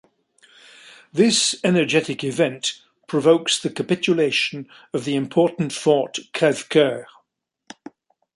This energetic event provokes the capitulation of the important fort Crèvecœur.